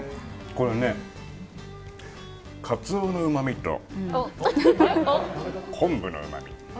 これね、カツオのうまみと昆布のうまみ